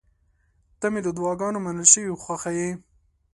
• ته مې د دعاګانو منل شوې خوښه یې.